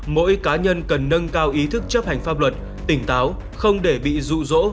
mỗi cá nhân cần nâng cao ý thức chấp hành pháp luật tỉnh táo không để bị rụ rỗ